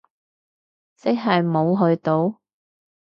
即係冇去到？